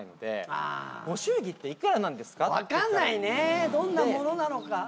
分かんないねどんなものなのか。